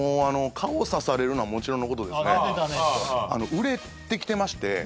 売れてきてまして。